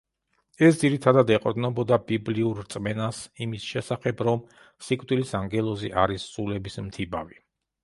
ეს ძირითადად ეყრდნობოდა ბიბლიურ რწმენას იმის შესახებ, რომ სიკვდილის ანგელოზი არის „სულების მთიბავი“.